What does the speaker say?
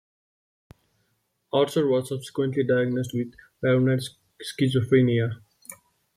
Archer was subsequently diagnosed with paranoid schizophrenia.